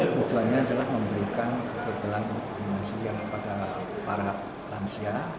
tujuannya adalah memberikan kekebalan imunisasi yang kepada para lansia